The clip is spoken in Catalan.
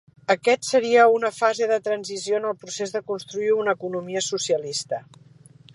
Aquest seria una fase de transició en el procés de construir una economia socialista.